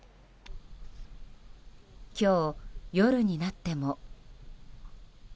今日、夜になっても。